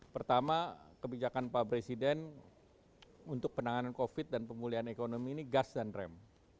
pertama kebijakan pak presiden untuk penanganan covid dan pemulihan ekonomi ini gas dan rem